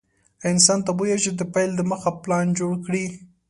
انسان ته بويه چې د پيل دمخه پلان جوړ کړي.